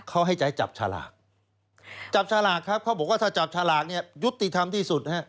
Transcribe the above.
เขาให้ใจจับฉลากจับฉลากครับเขาบอกว่าถ้าจับฉลากเนี่ยยุติธรรมที่สุดนะฮะ